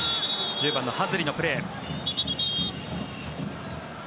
１０番のハズリのプレー。